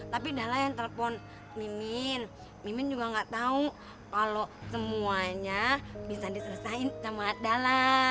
tapi dalla yang telepon mimin mimin juga gak tahu kalau semuanya bisa diselesaikan sama dalla